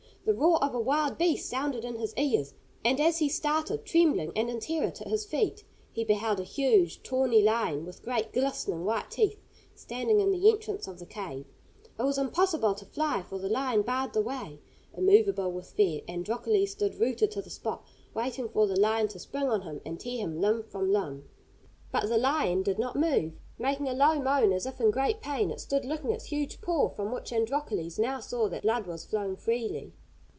The roar of a wild beast sounded in his ears, and as he started trembling and in terror to his feet, he beheld a huge, tawny lion, with great glistening white teeth, standing in the entrance of the cave. It was impossible to fly, for the lion barred the way. Immovable with fear, Androcles stood rooted to the spot, waiting for the lion to spring on him and tear him limb from limb. [Illustration: ANDROCLES IN THE LION'S CAVE] But the lion did not move. Making a low moan as if in great pain, it stood licking its huge paw, from which Androcles now saw that blood was flowing freely.